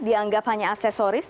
dianggap hanya aksesoris